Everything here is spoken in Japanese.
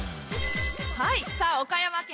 はいさあ岡山県